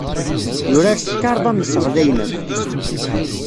Yurar s tkarḍa-nnes ɣlayen akk.